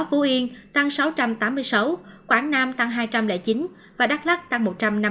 phú yên tăng sáu trăm tám mươi sáu quảng nam tăng hai trăm linh chín và đắk lắc tăng một trăm năm mươi